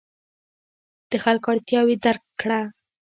د خلکو اړتیاوې درک کړه.